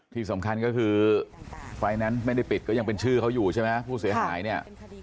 ที่สำคัญก็คือไฟแนนซ์ไม่ได้ปิดก็ยังเป็นชื่อเขาอยู่ใช่ไหมผู้เสียหายเนี่ย